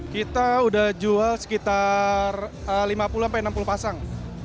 kita sudah jual sekitar lima puluh sampai enam puluh pasang